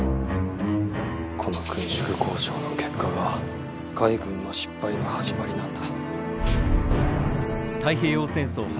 この軍縮交渉の結果が海軍の失敗の始まりなんだ。